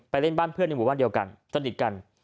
เล่นบ้านเพื่อนในหมู่บ้านเดียวกันสนิทกัน